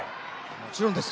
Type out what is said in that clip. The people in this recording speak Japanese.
もちろんです。